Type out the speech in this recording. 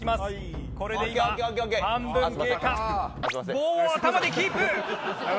棒を頭でキープ！